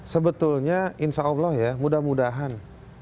sebetulnya insya allah ya mudah mudahan